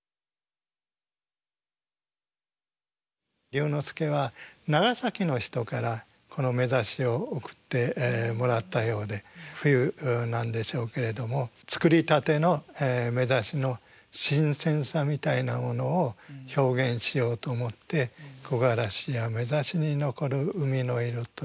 龍之介は長崎の人からこの目刺を送ってもらったようで冬なんでしょうけれども作りたての目刺の新鮮さみたいなものを表現しようと思って「木がらしや目刺にのこる海のいろ」と。